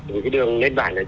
cái đường lên bảng này